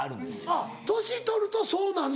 あっ年取るとそうなんの？